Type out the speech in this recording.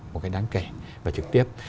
một cái đáng kể và trực tiếp